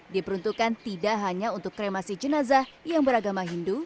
diperuntukkan tidak hanya untuk kremasi jenazah yang beragama hindu